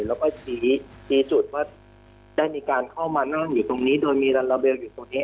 แล้วก็ชี้ชี้จุดว่าได้มีการเข้ามานั่งอยู่ตรงนี้โดยมีลาลาเบลอยู่ตรงนี้